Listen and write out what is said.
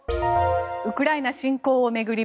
ウクライナ侵攻を巡り